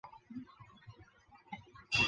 鼓山珠灵殿创建于日治时期大正十五年。